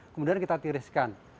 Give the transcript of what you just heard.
kemudian kita tiriskan